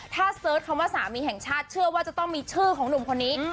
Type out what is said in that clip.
ถ้าเสิร์ชคำว่าสามีแห่งชาติเชื่อว่าจะต้องมีชื่อของหนุ่มคนนี้